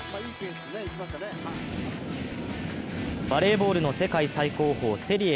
バレーボールの世界最高峰セリエ